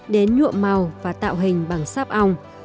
đến nhuộm màu và tạo hình bằng sáp ong